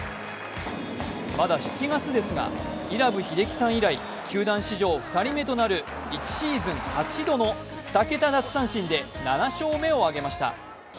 まだ７月ですが、伊良部秀輝さん以来、球団史上２人目となる１シーズン８度の２桁奪三振で７勝目を挙げました。